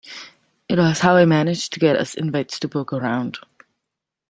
It was how I managed to get us invites to poke around.